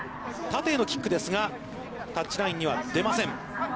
縦へのキックですが、タッチラインには出ません。